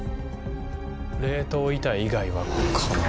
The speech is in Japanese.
冷凍遺体以外はかな。